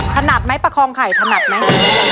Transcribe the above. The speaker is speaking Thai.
ถนัดไหมประคองไข่ถนัดไหม